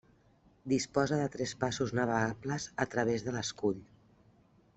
Disposa de tres passos navegables a través de l'escull.